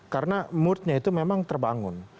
karena moodnya itu memang terbangun